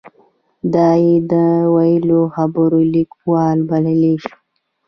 دای د نا ویلو خبرو لیکوال بللی شو.